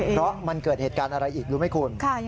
เพราะมันเกิดเหตุการณ์อะไรอีกรู้ไหมคุณ